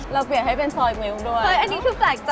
เราเปลี่ยนให้เป็นซอยกฮะเริงด้วย